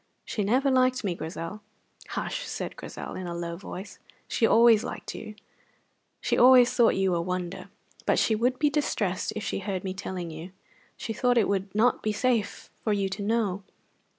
"She never liked me, Grizel." "Hush!" said Grizel, in a low voice. "She always liked you; she always thought you a wonder. But she would be distressed if she heard me telling you. She thought it would not be safe for you to know.